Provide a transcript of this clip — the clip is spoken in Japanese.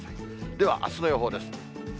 ではあすの予報です。